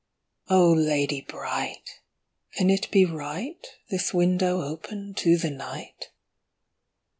Oh, lady bright! can it be right This window open to the night!